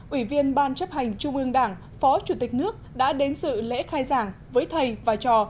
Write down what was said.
ủy viên ban chấp hành trung ương đảng phó chủ tịch nước đã đến sự lễ khai giảng với thầy và trò